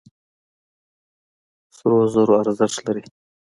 سرو زرو ارزښت لري.